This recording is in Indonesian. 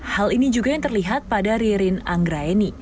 hal ini juga yang terlihat pada ririn anggraini